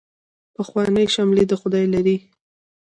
پخوانۍ شملې دې خدای لري.